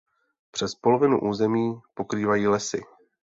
Přes polovinu území pokrývají lesy.